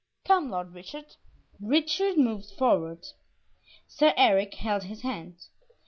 Come, Lord Richard." Richard moved forward. Sir Eric held his hand.